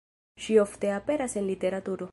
Ŝi ofte aperas en literaturo.